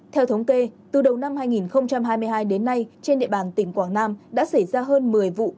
theo thống kê từ đầu năm hai nghìn hai mươi hai đến nay trên địa bàn tỉnh quảng nam đã xảy ra hơn một mươi vụ